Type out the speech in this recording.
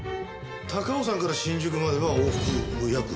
高尾山から新宿までは往復約２時間。